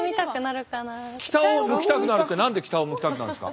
北を向きたくなるって何で北を向きたくなるんですか？